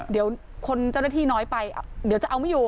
เดี๋ยวคนเจ้าหน้าที่น้อยไปเดี๋ยวจะเอาไม่อยู่